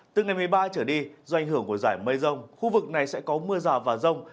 từ ngày một mươi ba trở đi do ảnh hưởng của giải mây rông khu vực này sẽ có mưa rào và rông